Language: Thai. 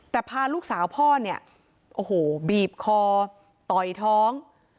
แต่พาลูกสาวพ่อเนี่ยโอ้โหบีบคอต่อยท้อง